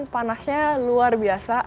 panasnya luar biasa